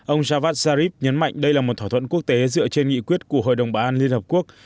ông javad zarif nhấn mạnh đây là một thỏa thuận quốc tế dựa trên nghị quyết của hội đồng bảo an liên hợp quốc